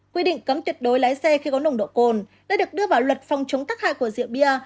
quy định cấm tuyệt đối lái xe khi có nồng độ cồn đã được đưa vào luật phòng chống tắc hại của rượu bia